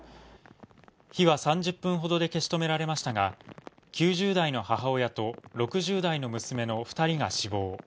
火は３０分ほどで消し止められましたが９０代の母親と６０代の娘の２人が死亡。